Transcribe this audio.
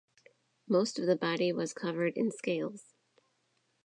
Most of the body was covered in scales.